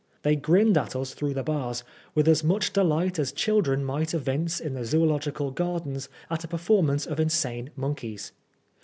They grinned at us through the bars with as much delight as children might evince in the Zoological Gardens at a performance of insane monkeys.